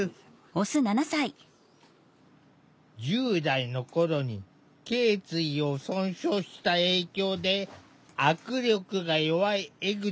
１０代の頃にけい椎を損傷した影響で握力が弱い江口さん。